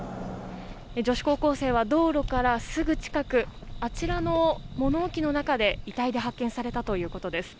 女子高校生は道路からすぐ近くあちらの物置の中で遺体で発見されたということです。